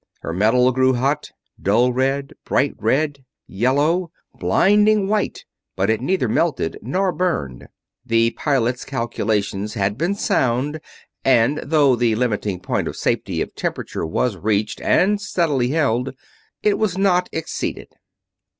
Her metal grew hot; dull red, bright red, yellow, blinding white; but it neither melted nor burned. The pilot's calculations had been sound, and though the limiting point of safety of temperature was reached and steadily held, it was not exceeded.